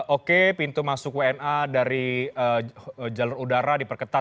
oke pintu masuk wna dari jalur udara diperketat